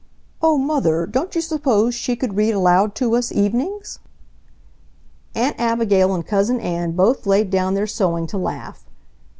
"Oh, Mother, don't you suppose she could read aloud to us evenings?" Aunt Abigail and Cousin Ann both laid down their sewing to laugh!